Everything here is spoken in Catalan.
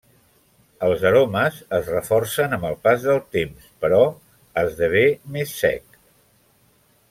Els aromes es reforcen amb el pas del temps, però esdevé més sec.